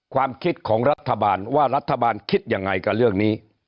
ความคิดของรัฐบาลว่ารัฐบาลคิดยังไงกับเรื่องนี้